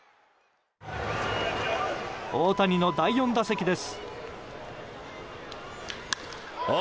大谷の第４打席です。